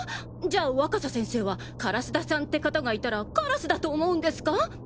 じゃあ若狭先生は烏田さんって方がいたらカラスだと思うんですか？